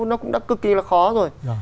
nó cũng đã cực kỳ là khó rồi